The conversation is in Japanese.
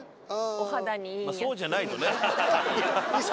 まあそうじゃないとね。